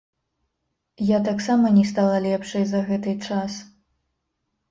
Я таксама не стала лепшай за гэты час.